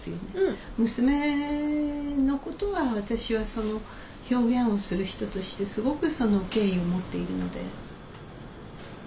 娘のことは私はその表現をする人としてすごく敬意を持っているので。